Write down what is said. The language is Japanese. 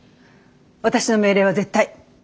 私の命令は絶対。